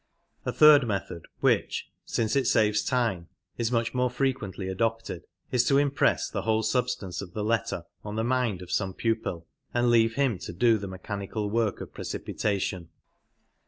A third method which, since it saves time, is much more frequently adopted, is to impress lae whole substance of the letter on the mind of some pupil, and leave him to do the mechanical work of precipitation.